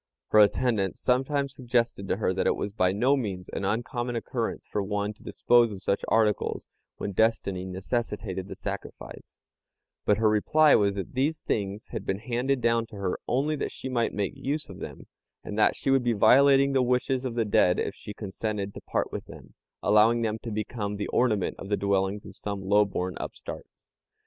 Her attendants sometimes suggested to her that it was by no means an uncommon occurrence for one to dispose of such articles when destiny necessitated the sacrifice; but her reply was that these things had been handed down to her only that she might make use of them, and that she would be violating the wishes of the dead if she consented to part with them, allowing them to become the ornament of the dwellings of some lowborn upstarts.